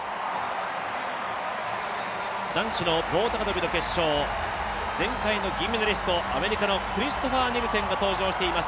男子の棒高跳の決勝、前回の銀メダリスト、アメリカのクリストファー・ニルセンが登場しています。